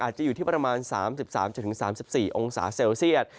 จะอยู่ที่ประมาณ๓๓๔องศาเซลเซียต